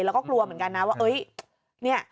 แล้วก็กลัวเหมือนกันนะว่าเฮ้ยเนี่ย